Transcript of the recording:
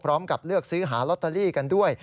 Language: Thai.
พร้อมกับเลือกซื้อหารอตเตอรี่กันด้วย